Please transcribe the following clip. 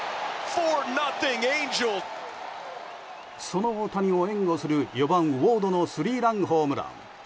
その大谷を援護する４番、ウォードのスリーランホームラン。